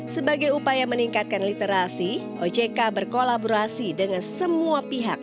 sebagai upaya meningkatkan literasi ojk berkolaborasi dengan semua pihak